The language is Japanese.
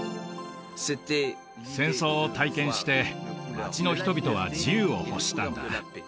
戦争を体験して街の人々は自由を欲したんだ